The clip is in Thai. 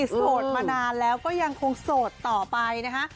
โสดมานานแล้วก็ยังคงโสดต่อไปนะคะ